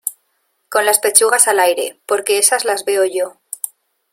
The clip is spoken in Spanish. con las pechugas al aire, porque esas las veo yo